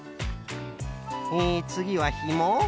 えつぎはひも？